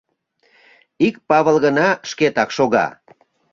Ик Павыл гына шкетак шога.